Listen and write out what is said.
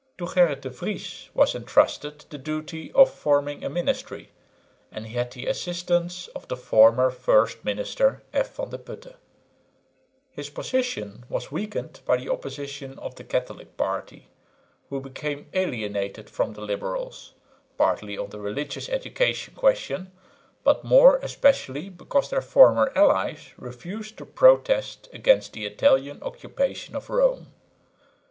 To Gerrit de Vries was entrusted the duty of forming a ministry, and he had the assistance of the former first minister, F. van de Putte. His position was weakened by the opposition of the Catholic party, who became alienated from the liberals, partly on the religious education question, but more especially because their former allies refused to protest against the Italian occupation of Rome.